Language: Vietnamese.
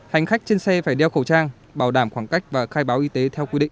hành khách trên xe phải đeo khẩu trang bảo đảm khoảng cách và khai báo y tế theo quy định